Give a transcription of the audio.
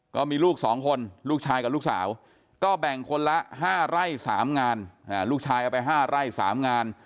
ก็มีลูก๒คนลูกชายกับลูกสาวก็แบ่งคนละ๕ไร่๓งานลูกชายเอาไป๕ไร่๓งาน